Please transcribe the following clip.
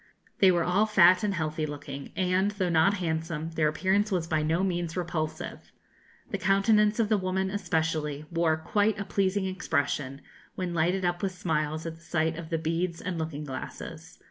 They were all fat and healthy looking, and, though not handsome, their appearance was by no means repulsive; the countenance of the woman, especially, wore quite a pleasing expression, when lighted up with smiles at the sight of the beads and looking glasses.